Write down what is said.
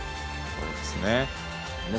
そうですね。